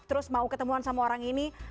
terus mau ketemuan sama orang ini